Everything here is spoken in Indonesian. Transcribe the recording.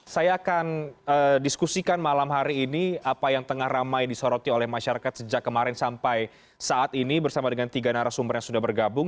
saya akan diskusikan malam hari ini apa yang tengah ramai disoroti oleh masyarakat sejak kemarin sampai saat ini bersama dengan tiga narasumber yang sudah bergabung